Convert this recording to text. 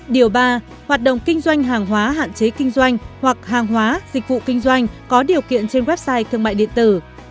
điều ba hoạt động kinh doanh hàng hóa hạn chế kinh doanh hoặc hàng hóa dịch vụ kinh doanh có điều kiện trên website thương mại điện tử